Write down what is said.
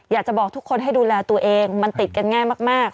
อยากจะบอกทุกคนให้ดูแลตัวเองมันติดกันง่ายมาก